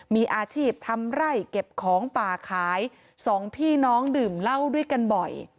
มีอาชีพทำไร่เก็บของป่าขายสองพี่น้องดื่มเหล้าด้วยกันบ่อย